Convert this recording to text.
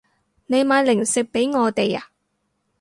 你買零食畀我哋啊